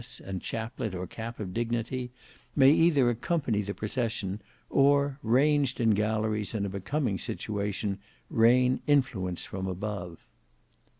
S., and chaplet or cap of dignity, may either accompany the procession, or ranged in galleries in a becoming situation, rain influence from above."